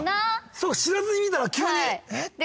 そうか知らずに見たら急にえっ！？と。